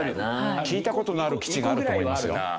聞いた事のある基地があると思いますよ。